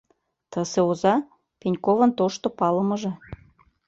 Тысе оза — Пеньковын тошто палымыже.